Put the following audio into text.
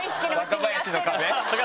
「若林の壁」